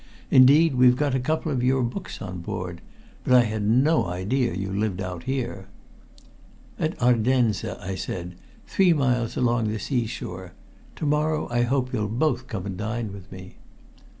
Indeed, we've got a couple of your books on board. But I had no idea you lived out here." "At Ardenza," I said. "Three miles along the sea shore. To morrow I hope you'll both come and dine with me."